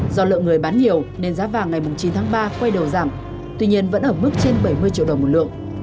do lượng người bán nhiều nên giá vàng ngày chín tháng ba quay đầu giảm tuy nhiên vẫn ở mức trên bảy mươi triệu đồng một lượng